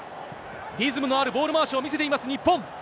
リズムのあるボール回しを見せています、日本。